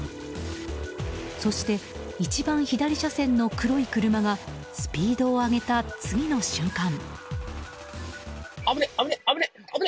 そして、一番左車線の黒い車がスピードを上げた次の瞬間。